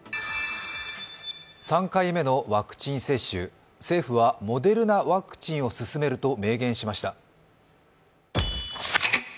３回目のワクチン接種、政府はモデルナワクチンを勧めると明言しました。